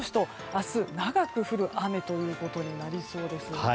明日長く降る雨ということになりそうです。